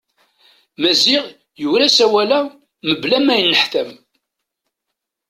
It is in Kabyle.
Maziɣ yura-as awal-a mebla ma yenneḥtam.